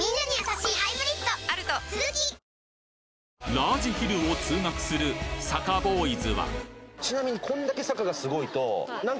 ラージヒルを通学する坂ボーイズはちなみに。